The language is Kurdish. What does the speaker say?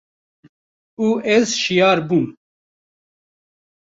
û ez şiyar bûm.